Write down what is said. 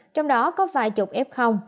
trong đó có vài chục f